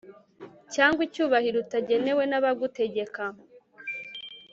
cyangwa icyubahiro utagenewe n'abagutegeka